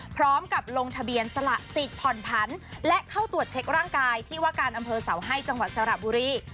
พร้อมกับลงทะเบียนสละสิทธิ์ผ่อนผันและเข้าตรวจเช็คร่างกายที่ว่าการอำเภอเสาให้จังหวัดสระบุรี